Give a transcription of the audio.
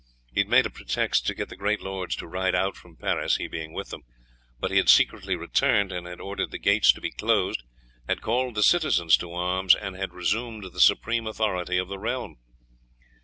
He had made a pretext to get the great lords to ride out from Paris, he being with them; but he had secretly returned, and had ordered the gates to be closed, had called the citizens to arms, and had resumed the supreme authority of the realm.